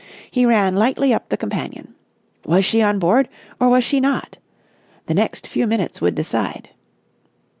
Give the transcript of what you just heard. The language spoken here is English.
He ran lightly up the companion. Was she on board or was she not? The next few minutes would decide.